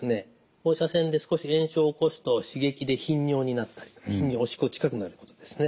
放射線で少し炎症を起こすと刺激で頻尿になったりとかおしっこ近くなるということですね。